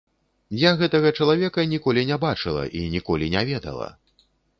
Я гэтага чалавека ніколі не бачыла і ніколі не ведала.